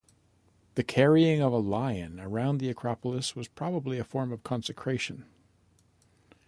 The carrying of a lion around the acropolis was probably a form of consecration.